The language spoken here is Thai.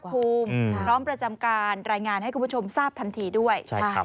พร้อมประจำการรายงานให้คุณผู้ชมทราบทันทีด้วย